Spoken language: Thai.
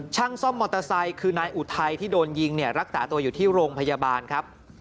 ช่างซ่อมมอเตอร์ไซค์คือนายอุทัยที่โดนยิงเนี่ยรักษาตัวอยู่ที่โรงพยาบาลครับ